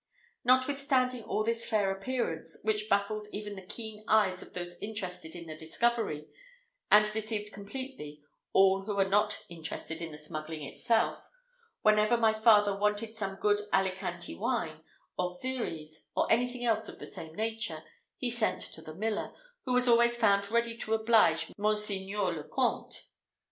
Notwithstanding all this fair appearance, which baffled even the keen eyes of those interested in the discovery, and deceived completely all who were not interested in the smuggling itself, whenever my father wanted some good Alicante wine, or Xeres, or anything else of the same nature, he sent to the miller, who was always found ready to oblige Monseigneur le Comte.